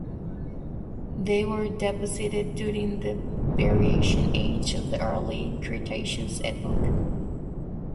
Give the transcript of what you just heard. They were deposited during the Berriasian age of the Early Cretaceous epoch.